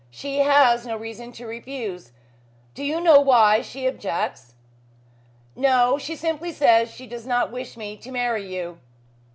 She has no reason to refuse. Do you know why she objects?" "No. She simply says she does not wish me to marry you."